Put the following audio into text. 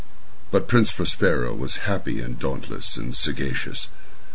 But the Prince Prospero was happy and dauntless and sagacious.